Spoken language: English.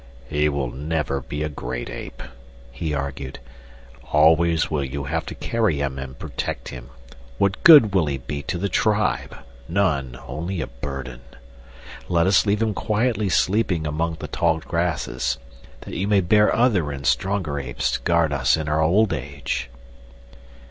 "He will never be a great ape," he argued. "Always will you have to carry him and protect him. What good will he be to the tribe? None; only a burden. "Let us leave him quietly sleeping among the tall grasses, that you may bear other and stronger apes to guard us in our old age."